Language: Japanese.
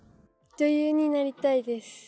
女優になりたいです。